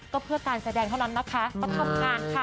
ก็เพื่อการแสดงเท่านั้นนะคะประทับข้างค่ะ